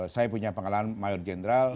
saya punya pengalaman mayor jenderal